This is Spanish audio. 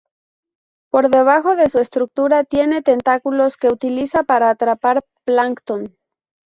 Por debajo de su estructura, tiene tentáculos que utiliza para atrapar plancton.